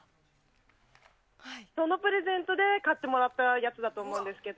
そのプレゼントで買ってもらったやつだと思うんですけど。